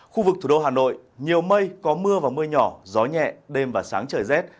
khu vực thủ đô hà nội nhiều mây có mưa và mưa nhỏ gió nhẹ đêm và sáng trời rét